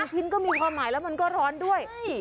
ชิ้นก็มีความหมายแล้วมันก็ร้อนด้วย